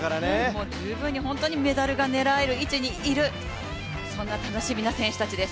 もう十分にメダルを狙える位置にいる、そんな楽しみな選手たちです。